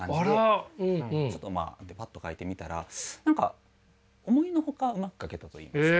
ちょっとまあパッと描いてみたら何か思いの外うまく描けたといいますか。